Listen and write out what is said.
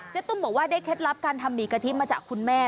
ตุ้มบอกว่าได้เคล็ดลับการทำหมี่กะทิมาจากคุณแม่